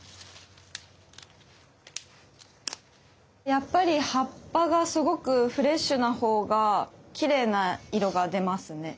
やっぱり葉っぱがすごくフレッシュなほうがきれいな色が出ますね。